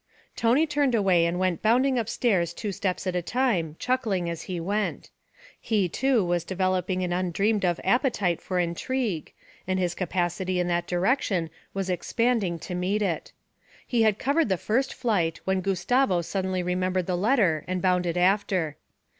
Tony turned away and went bounding upstairs two steps at a time, chuckling as he went. He, too, was developing an undreamed of appetite for intrigue, and his capacity in that direction was expanding to meet it. He had covered the first flight, when Gustavo suddenly remembered the letter and bounded after.